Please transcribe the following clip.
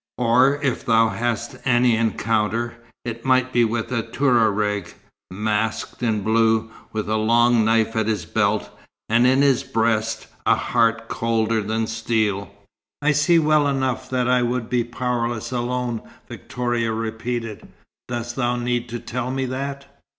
Or if thou hadst any encounter, it might be with a Touareg, masked in blue, with a long knife at his belt, and in his breast a heart colder than steel." "I see well enough that I would be powerless alone," Victoria repeated. "Dost thou need to tell me that?"